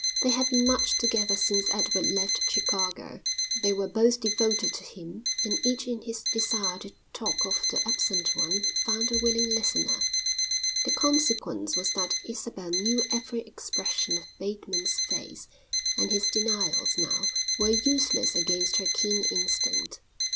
They had been much together since Edward left Chicago; they were both devoted to him and each in his desire to talk of the absent one found a willing listener; the consequence was that Isabel knew every expression of Bateman's face, and his denials now were useless against her keen instinct.